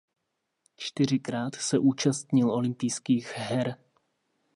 Čtyřikrát se účastnil olympijských her.